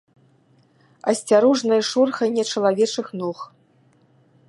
Асцярожнае шорханне чалавечых ног.